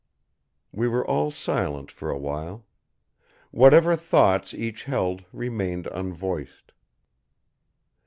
We were all silent for a while. Whatever thoughts each held remained unvoiced.